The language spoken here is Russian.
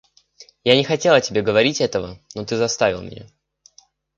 Я не хотела тебе говорить этого, но ты заставил меня.